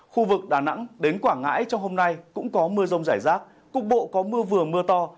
khu vực đà nẵng đến quảng ngãi trong hôm nay cũng có mưa rông rải rác cục bộ có mưa vừa mưa to